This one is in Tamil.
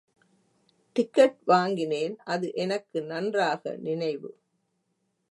டிக்கட் வாங்கினேன், அது எனக்கு நன்றாக நினைவு.